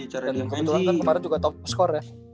dan kebetulan kan kemarin juga top score ya